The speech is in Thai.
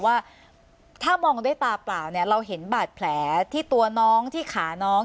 ว่าถ้ามองด้วยตาเปล่าเนี่ยเราเห็นบาดแผลที่ตัวน้องที่ขาน้อง